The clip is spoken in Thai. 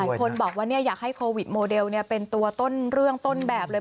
คนบอกว่าอยากให้โควิดโมเดลเป็นตัวต้นเรื่องต้นแบบเลย